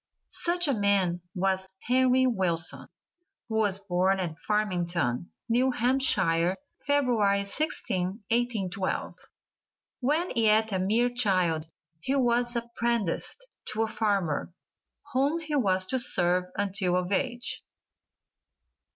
Such a man was Henry Wilson, who was born at Farmington, New Hampshire, February 16th, 1812. When yet a mere child he was apprenticed to a farmer, whom he was to serve until of age.